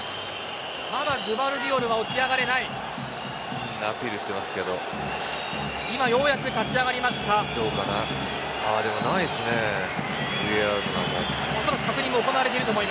まだグヴァルディオルは起き上がれない。